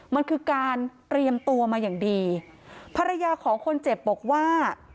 มันคือการเตรียมตัวมาอย่างดีภรรยาของคนเจ็บบอกว่า